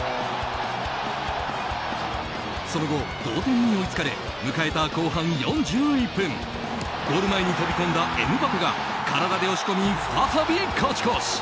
その後、同点に追いつかれ迎えた後半４１分ゴール前に飛び込んだエムバペが体で押し込み再び勝ち越し。